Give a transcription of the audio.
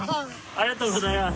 ありがとうございます。